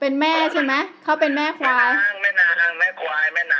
เป็นแม่ใช่ไหมเขาเป็นแม่ควายห้างแม่นางแม่ควายแม่นา